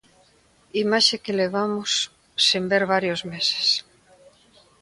Imaxe que levabamos sen ver varios meses.